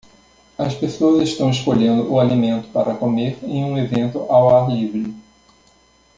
As pessoas estão escolhendo o alimento para comer em um evento ao ar livre